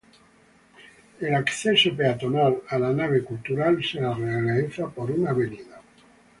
El acceso peatonal a la Nave Cultural se realiza por Av.